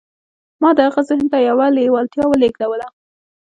ما د هغه ذهن ته يوه لېوالتیا ولېږدوله.